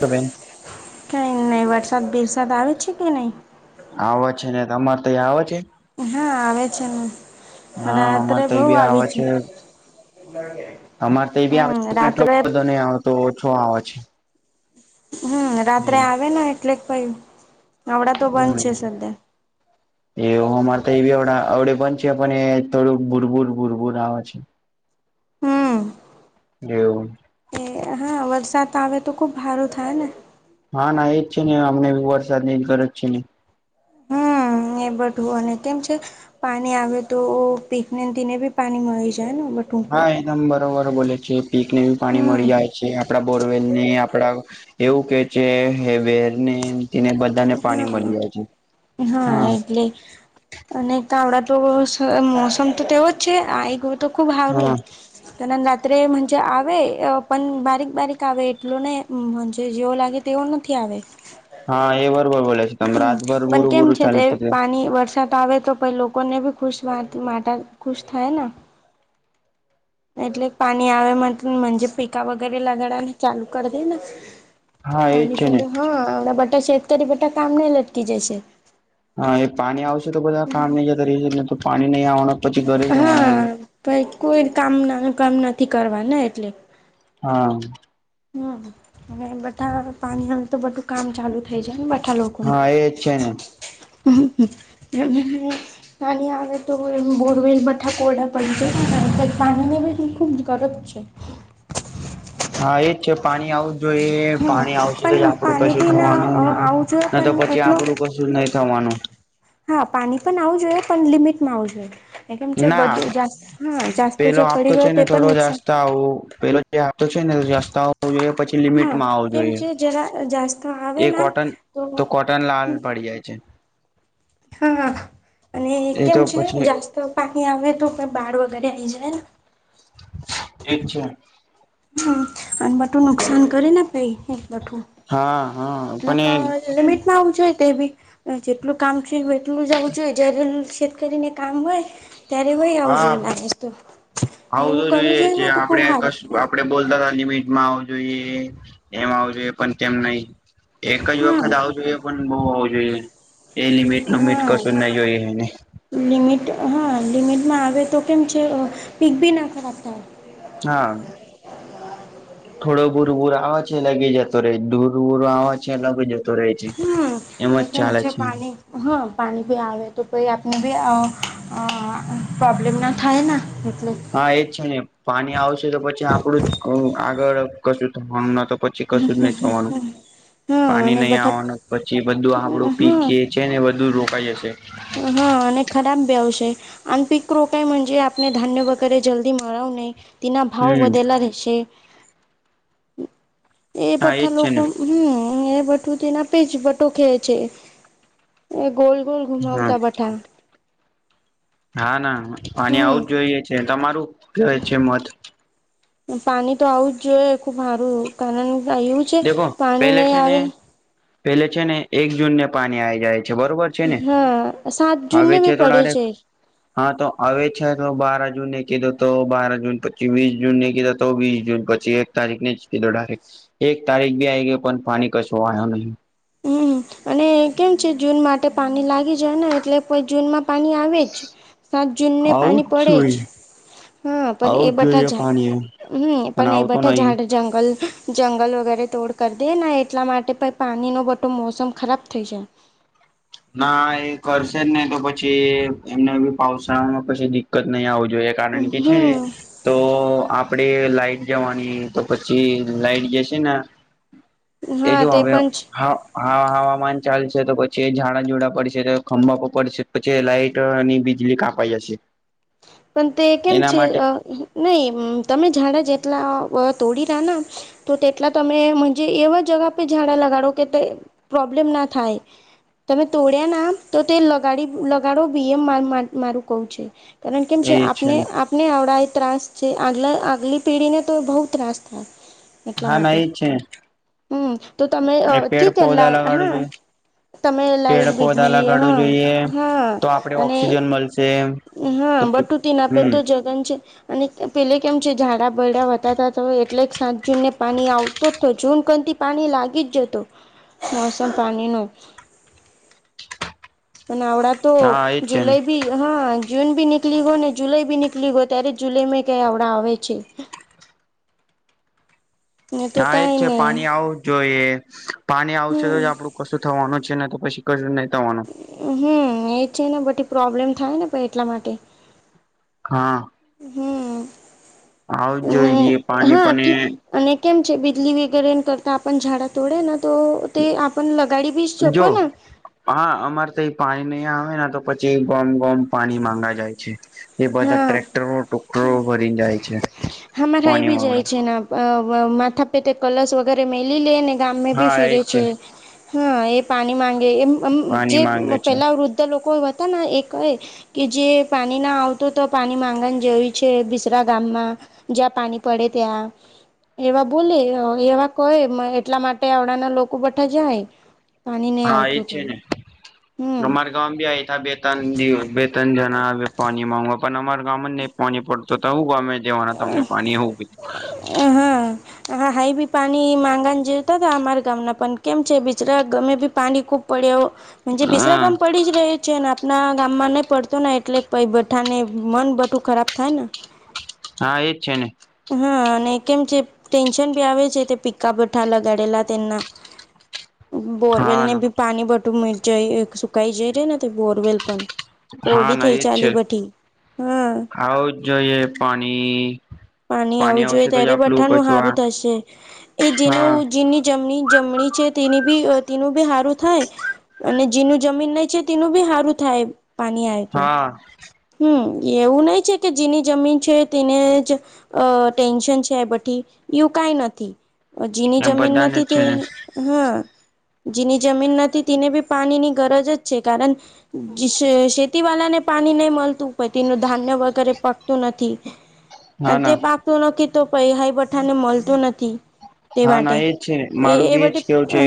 તો બેન કઈ નહી વરસાદ બિરસાદ આવે છે, કે નહી આવ છે ને તમારે તોંયા આવે છે? હા આવે છે ને. હા, રાત્રે અમારે તો બહુ એ બી આવી આવે છે. અમારે તો એટલી બધો આવે હમ એટલો રાત્રે બધો નહી આવેતો ઓછો આવે છે, હમ રાત્રે આવે ને એટલે કઈ નવડા તો બંધ હમ છે, સધા [unintelligible] એવું અમારે તો એ અડે પણ છે, પણ એ થોડું [inaudible] આવે છે. હમ્મ એવું એ હા વરસાદ આવે તો ખુબ ભારું થાય ને હા, ના એજ છે નને અમને વરસાદ ની ગરજ છે નહી ને બઢવું અને કેમ છે. પાણી આવે તો પીકને ને બી પાણી મળી જાય ને બધું. હા એકદમ બરોબર બોલે છે પીક બી પાણી હમ મળી જાય છે આપડા બોરવેલ ને આપડા એવું કે છે હે વેરને તેને બધાને પાણી મળી હા જાય છે. હા એટલે અને તો આવડા તો મોસમ તો તેવો જ છે આ એક તો ખુબ સારું હા રાત્રે આવે પણ બારીક બારીક આવે એટલું નહી જેવો લાગે તેઓ નથી આવે હા એ બરોબર બોલે છે. તમે હમ રાતભર પણ બુરું કેમ બુરું છે તે ચાલી થશે પાણી વરસાદ આવે તો પન લોકોને બી ખુશ માટે ખુશ થાય ને એટલે પાણી આવે પીકા વગેરે લગાડવાને ચાલુ કરી દે હા એજ પાણી છે ને ફ હા હમણાં બધા શતકરી બધા કામને લટકી જશે [unintelligible] હા એ પાણી આવશે તો બધા કામે જતા રશે ને તો પાણી નહીં આવવાના પછી ઘરે રહેવાના એ. ભાઈ કોઈ કામ નાનું કામ નથી કરવા ને એટલે. હા હમ અને બધા પાણી હ તો બધું કામ ચાલુ. થઈ જાય બધા લોકોનું. હા એજ છે ને એ પાણી આવે તો બોરવેલ બઠા કોરડા પડીજાય છે પાણીની ખૂબ અછત છે હા એ પ પાણી આવવું જોઈએ હા પાણી આવશે તો જ પણ આપડું પાણી કશું બી ના થવાનું આવવું જોઈએ ન તો પણ પછી એટલો આપડું કશું. નહી થવાનું હા પાણી પણ આવું જોઈએ પણ લિમિટમાં આવું જોઈએ. કેમ છે ના બધું હા જાસ્ત પેલો જે આપતો પડી છે ગયો ને તે પણ થોડો નુકસાન જાસ્તા આવું પેલો [unintelligible] ત્યાં તો છે ને રસ્તા આવવો જોઈએ પછી હા લિમિટમાં આવવું કેમ જોઈએ છે જરા જાસ્ત આવે એ ના કોટન તો કોટન લાલ પડી જાય છે. હા અને એ કેમ તો છે પછી જાસ્ત પાણી આવે તો બાળ વગેરે આઈ જાય ઠીક છે હમ અને બટું નુકસાન કરી નાને પ બું [unintelligible] હા હા એટલે ક પણ લિમિટમાં આવું જોઈએ તે બી જેટલું કામ છે એટલું જવું જોઈએ જય્યારે શેત કરીરીને કામ હોય ત્યારે વય હા આવજઈ [unintelligible] એ લાગસ આવું એવું તો કરવું જોઈએ ને જે તો ખુબ આપડે હાર થ કશ આપડે બોલતા લિમિટમાં આવ જોઈએ એમ આવું જોઈએ પણ તેમ નહી એક જ થાય વખત આવુ જોઈએ પણ બઉુ આવું જોઈએ. એ લિમિટ હા નમિટ હા કશું ના જોયને લિમિટ હા લિમિટમાં આવે તો કેમ છે પીક બી ના ખરાબ થાય. હા થોડો બૂર બૂર આવે છે લગી જતો રે દૂરવૂર આવેવા છે લગી જતો ભરાએ છે હમ તો એમાં જ કેમ ચાલે છે. પાણી હા પાણી બી આવે તો કોઈ આપને બી અ પ્રોબ્લેમ ના થાય ના. હા એજ છે ને પાણી આવશે તો પછી આપણું જ આગળ કશું થવાનું ન તો પછી કશું જ નહી થવાનું હા પાણી અને નહીં બટાક આવવાનું પછી બધું આપડું પી કે હા ટ્રેન ને વધુ રોકાઈ જશે હા અને ખરાબ બેવશે અને પીક રોકાઈજે આપણે [unintelligible] ધાન્ય વગેરે જલ્દી મારાવું નહી તેના ભાવ હમ વધેલા રહેશે. એ હા એજ બઠા છે લોકો ને હમ એ ના પી જ બટો [unintelligible] ખે છે એ ગોલ ગોલ હા ગુમાવતા બટા હા ના પાની હમ આવું જ જોઈએ છે તમારું કહે છે મત પાણી તો આવું જ જોઈએ ખુબ હારું કારણ એવું છે દેખો પાણી પેલે નહી છે ને આવેલ પેલે છે ને એક જૂન ને પાણી આવી જાય છે બરોબર. છે ને હા સાત આવે જૂનને ભી તો પડે ડાયરેક્ટ છે હા તો હવે છે તો બાર જૂનેને કીધું તો બાર જૂન પછી વીસ જૂનને કીધો તો વીસ જૂન પછી એક તારીખ ને જ કીધો ડાયરેક એક તારીખ બી આઈ ગયો પણ પાણી કશો આ્યો નહીં. હમ અને કેમ છે જૂન માટે પાણી લાગી જાય ને એટલે કો જૂનમાં પાણી આવે જ. સાત જૂને આવું પાણી જ પડે છે. જોઈએ હા પણ આવું એ બધા જોઈએ જ પાણી હમ પણ એ આવતો બધા નહી ઝાડ જંગલ જંગલ વગેરે તોડ કરી દે એટલા માટે પણ પાણીનો બટો મોસમ ખરાબ થઈ છે. ના એ કરશે નહી તો પછી એમને બી પાાવસાળામાં પછી દિકકત નહી આવ જોઈએ. કારણ કે છે ને હમ તો આપડે લાઈટ જવાની તો પછી લાઈટ જશે ને. એ હા જો તે હવે પણ છે હવામાન ચાલશે તો પછી એ જોડા પડશે તો ખંભા પર પડશે પછી લાઈટ અને બીજળી કાપાઈ જશે. પણ તે કેમ એના છે માટે નહી તમે ઝાડા જેટલા તોડી રા ના તો તેટલા તમેજ એવા જગા પે ઝાડા લગાડો કે પ્રોબ્લેમ ના થાય. તમે તોડ્યા ના તો તે લગાડી લગાડો બી એમ મારું કવ છે. કારણ કેમ છે એ આપને ને આપને આવડા એ ત્રાસ છે આગલા આગલી પેઢીને તો બહુ ત્રાસ થાય. એટલા હા ના માટે ઈ છે. હમ તો તમે ને એ પેડ થી કેલા પૌધા લગાડવું હા જોઈએ તમે લાાઈટ પેડ પૌધા બીજલી લગાડવું હા જોઈએ હા તો આપડે અને ઓક્સિજન મળશે હા તો બટુતી ના આપે હમ તો જગન છે. અને પેલે કેમ છે ઝાડા બર્યા વતા હતા તો એટલે સાંજજુને પાણી આવ તો તો જૂન થી પાણી લાગી જ જતો મોસમ પાણી નો. અને અવડા તો હા એજ છે ને જુલાઈ ભી હા જૂન ભી નીકળી ગો ને જુલાઈ ભી નીકળી ગો ત્યારે જુલાઈ માં કઈ અવડા આવે છે. ને તો હા એજ કઈ છે નહી પાણી આવુ જોઈએ પાણી આવશે તો હમ જ આપડું કશું થવાનું છે ને તો પછી [unintelligible] થવાનું હમ એ છે ને બધી પ્રોબ્લેમ થાય ને એટલા માટે હા. હમ આવ જોઈએ. અને પાણી હા પણ અને કેમ છે બિજલી વગેરે કરતા ઝાડા તોડેને તો તે આપ લગાડી બી શકો જો ના હા અમારે તો એ પાણી નહીં આવેને તો પછી ગોમ ગોમ પાણી માંગા જાય છે. એ બધા હા ટ્રેક્ટરો ટોક્ટરો ભરી જાય છે પાણી માંગ અ માથા પેતે કલશ વગેરે મેલી લે ને ગામમે ભી હા ફિરે એજ છે. હા એ પાણી માંગે એમ પાણી જે માંગે છે પેલા વૃદ્ધ લોકો એ કે જે પાણી ના આ તો પાણી માંગવાની જેવી છે બિસરા ગામમાં જ્યાં પાણી પડે ત્યાં એવા બોલે એવા કહે એટલા માટે આવડાના લોકો બધા જાય. પાણી નહી હા એજ આવતું છે ને હમ અમારા ગામ ભી અયના બેતાન દ બેતાન જના આવે પાણી માંગવા પણ અમારા ગામ જ નહી પાણી પડતું તો હું ગામે જવાના તમને પાણી હોવું એ હા હા હાઈ બી પાણી માંગ જેવતા હતા અમારા ગામના પણ કેમ છે બિચરા ગમે બી પાણી ખૂબ પડ્યો જે બિસરા હા ગામ પડી જ રહે. છે ને આપણા ગામમાં નઈ પડતો ને એટલે પ બઠા ને મન બધું ખરાબ થાય ને. હા એજ છે ને. હા અને કેમ છે ટેન્શન ભી આવે છે તે પિક્કા ભઠા લગાડેલા તેમના. બોરવેલ હા ને ના બી પાણી બટું મ જાય સુકાઈ જાય રે ને બોરવેલ પણ હા કોરડી થઈ ચાલી બઠી હમ આવઉ જોઇએ પાણી પાણી આવવું આવશે જોઈએ તો જ ત્યારે આપલું બઠ્ઠાનું કશું આ સારું થશે એ જેનો હા જેની જમણી જમણી છે તેની બી તેનું બી સારું થાય. અને જેનું જમીન નહી છે તેનું બી સારું થાય. પાણી આવે તું હા હમ એવું નહી છે કે જેની જમીન છે તેને જ અ ટેન્શન છે એ બઠી એવું કઈ નથી જીની એમ જમીન બધાને નથી જ તે છે ને હા જેની જમીન નથી તેને બી પાણીની ગરજ જ છે કારણ શેતી વાળ ને પાણી નહી મળતું પતી તેનું ધાન્ય વગેરે પકતું નથી. હા અને તે ના પાકતું નથી તો પૈ હાઈ બઠાને મળતું નથી. તે હા માટે ના એજ છે એ મારું એ બી એજ બટે કેવું છે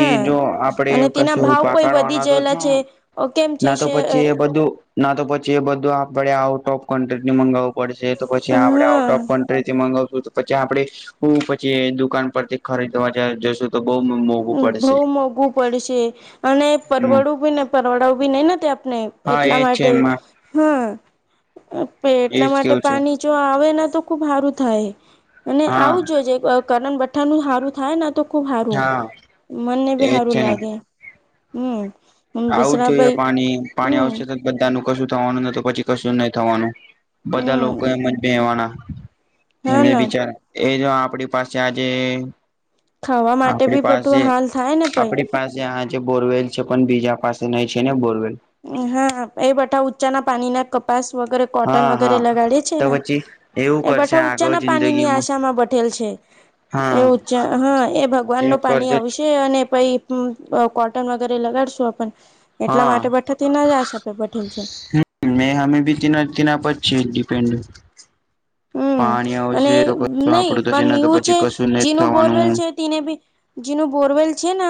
કે જો આપડે અને તેના કશું ભાવ પણ વધી પાકડવાના ગયેલા તો છે કેમ છે ના તો શે પછી એ બધું ના તો પછી એ બધું આપે આઉટ ઓફ કન્ટ્રી મગાવવું પડશે તો પછી આપણેે હા આઉટ ઓફ પણ તય થી મગાવશું તો પછી આપડે હું પછી દુકાન પરથી ખરીદવા જ જશું તો બહુ મોંઘું બઉ પડશે મોંઘવું પડશે અને હમ પરવડું બી ને પરવડાવું બી નઈ તે આપને હા એટલા એજ છે માટે એમાં હા એટલા એજ માટે કેવું છે પાણી જો આવે તો ખુબ સારું થાય. અને હા આવજ જે કરણ બધાનું સારું થાય ને તો ખુબ સારું હા મનને ભી એજ સારું છે ને લાગે હમ આવું જ જોઈએ બિસરાભાઈ પાણી પાણી હમ આવશે તો બધા નુ કશું થવાનું ન તો પછી કશું નહી થવાનું બધા લોકો એ હમ મ બેહવાના હા એને ના બિચાર એ જો આપડી પાસે આજે ખાવા માટે આપડી બી પાસે બટું હાલ થાય ને પઈ આપડી પાસે આ જે બોરવેલ છે પણ બીજા પાસે નઈ છે ને બોરવેલ હા એ બટા ઊંચાના પાણી ના કપાસ વગેરે કોટન હા વગેરે હા લગાડે છે તો ને પછી એવું એ કરશે બઠા આગળ ઊંચાના પાણીની જિંદગીમાં આશામાં બેઠેલ છે એ હા ઉચા હા એ ભગવાન નુ એ પાણી કરશે જ આવશે અને પઈ હ કોટન વગેરે લગાડશું આપન એટલા માટે બેઠાતી ના જશ આપે બઠીલ છે હ મેં હમે ભી તેના તેના પર છે ડિપેન્ડ હમ પાણી અને આવશે તો કશું નહી આપડું થશે તો પછી કશું નહી થવાનું તને બી જેનું બોરવેલ છે ને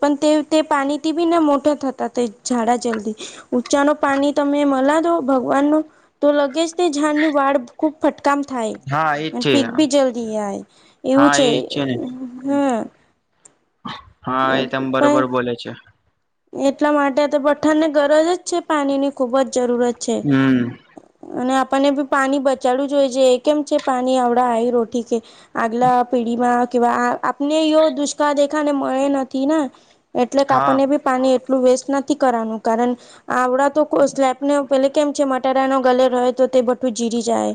પણ તે તે પાણીથી બી મોટા થતા તે ઝાડા જલ્દી ઊંચા નુ પાણી તમે મલા દો ભગવાન ન તો લગે જ તે ઝાડની વાળ ખૂબ ફટકામ થાય. હા એજ અને છે પીક ભી જલ્દી જાય એવું હા છે એજ ને હમ હા એ તમ બરોબર પણ બોલે છે. એટલા માટે તો પઠાણને ગરજ જ છે પાણી ની ખુબ જ જરૂરત છે. હમ અને આપણને બી પાણી બચાડવું જો હોય છે કેમ છે પાણી આવડા હ રોટી કે આગલા પેઢીમાં કેવા આપને એવ દુષ્કાળ દેખાને મળે નથી ને એટલે કે હા આપણને બી પાણી એટલું વેસ્ટ નથી કરવાનું કારણ આવડા તો સ્લેબ ને પેલે કેમ છે મટાડા નો ગલે હોય તો તે બું જીરી જાય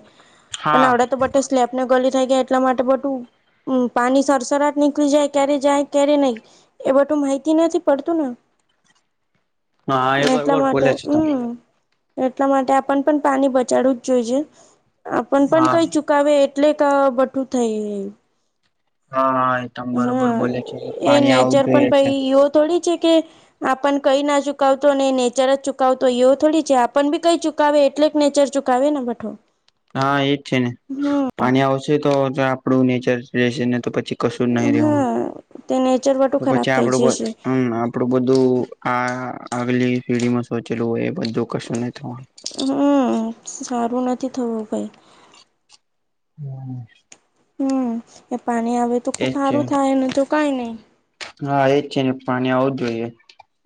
પણ હા આવડ તો સ્લેબ ને ગલી થઈ ગયા એટલા માટે બધું [unintelligible] હમ પાણી સરસરાટ નીકળી જાય ક્યારે જાય ક્યારે નહી એ બધું માહિતી નથી પડતું ને હા એ એટલા બરોબર માટે બોલે છે તમે હમ એટલા માટે આપણ પણ પાણી બચાડવું જ જોઈ છે આપણ પણ હા કઈ ચુકી ક આવે એટલે ક બઠું થઈ હા હા એદમ બરોબર હા બોલે છે પાણી આવું જોઈએ છે. તોડી છે કે આપણ કઈ ના ચુકતો ને નેચરજ ચુકતો યો થોડી છે, આપણ બી કઈ ચુક કાવે એટલેક નેચર ચુકાવેને મઠો હા એજ છે ને, પાણી આવશે તો જો આપડું નેચર રહેશે ને તો પછી કશું જ નહી રેવાનું, હા તે નેચર બટું તો ખરાબ પછી થઈ આપડુ બધ જશે [unintelligible] પડું બધું આ આગલી પેઢીમાં સોચેલું હોય એ બધું કશું નહીં થવાનું. હમ્મ સારું નથી થવું કઈ [unintelligible] હમ્મ એ પાણી આવે તો ખુબ એજ છે સારું થાય ને તો કાઈ નહી. હા એજ છે ને, પાણી આવુંજ જોઈએ.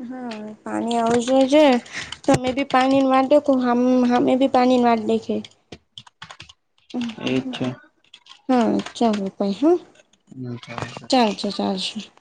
હા પાણી આવશે છે, તમે બી પાણી ને વાટ દેખો હામે ભી પાણી વાટ દેખે હમ્મ એજ હમ્મ છે હમ્મ ચાલો ભાઈયુ [unintelligible] છ ચાલસે